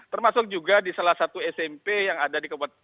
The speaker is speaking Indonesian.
termasuk juga di salah satu smp yang ada di kabupaten